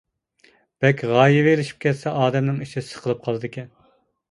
بەك غايىۋىلىشىپ كەتسە ئادەمنىڭ ئىچى سىقىلىپ قالىدىكەن.